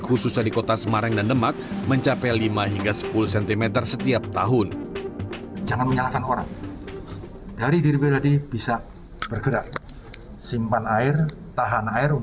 khususnya di kota semarang dan demak mencapai lima hingga sepuluh cm setiap tahun